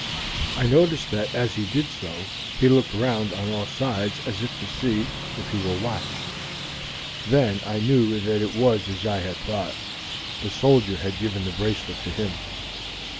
I noticed that as he did so he looked round on all sides as if to see if he were watched. Then I knew that it was as I had thought: the soldier had given the bracelet to him.